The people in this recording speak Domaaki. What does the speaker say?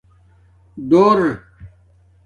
ڈُور